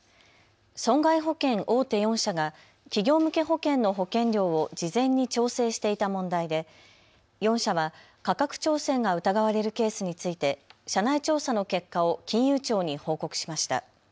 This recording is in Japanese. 損害保険大手４社が企業向け保険の保険料を事前に調整していた問題で４社は価格調整が疑われるケースについて社内調査の結果を金融庁に報告しました。